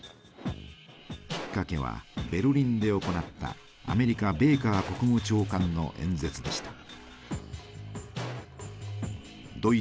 きっかけはベルリンで行ったアメリカベーカー国務長官の演説でした。